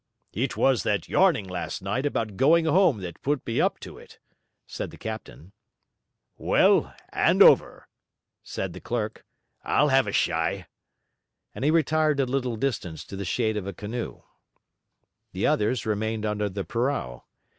'It was that yarning last night about going home that put me up to it,' said the captain. 'Well, 'and over,' said the clerk. 'I'll 'ave a shy,' and he retired a little distance to the shade of a canoe. The others remained under the purao.